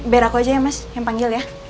biar aku aja ya mas yang panggil ya